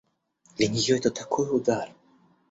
Для нее это такой удар!